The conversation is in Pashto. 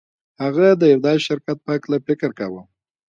هغه د یوه داسې شرکت په هکله فکر کاوه